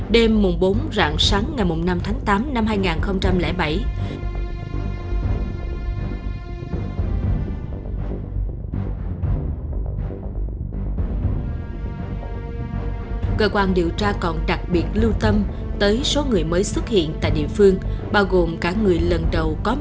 đêm mùng bốn rạng sáng ngày mùng năm tháng tám năm hai nghìn bảy